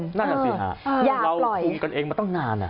นั่นแหละสิครับเราภูมิกันเองไม่ต้องนาน